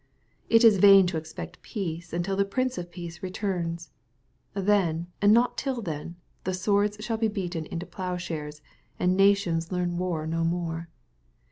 It is vain to expect peace until the Prince of Peace returns* Then, and not till then, the swords shall be beaten into ploughshares, and nations learn war no more.